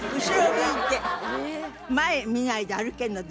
前見ないで歩けるのどんどん。